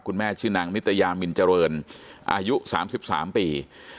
คุณแม่ชื่อนางนิตยามินเจริญอายุสามสิบสามปี